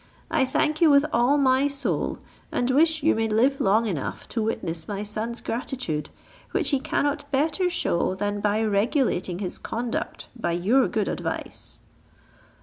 I thank you with all my soul, and wish you may live long enough to witness my son's gratitude, which he cannot better shew than by regulating his conduct by your good advice."